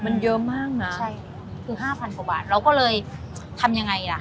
มันเยอะมากน่ะคือ๕๐๐๐กว่าบาทเราก็เลยทำยังไงล่ะ